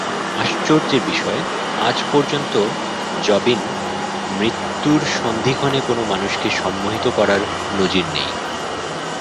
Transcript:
আশ্চর্যের বিষয়, আজ পর্যন্ত জবিন-মৃত্যুর সন্ধিক্ষণে কোনো মানুষকে সম্মোহিত করার নজির নেই।